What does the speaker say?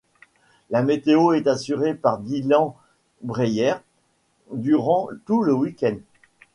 La météo est assurée par Dylan Dreyer durant tout le week-end.